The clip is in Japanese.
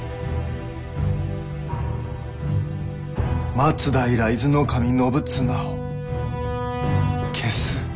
松平伊豆守信綱を消す。